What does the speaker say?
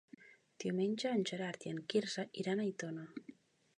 Diumenge en Gerard i en Quirze iran a Aitona.